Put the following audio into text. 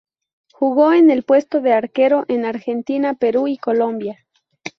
Jugó en el puesto de arquero en Argentina, Perú y Colombia.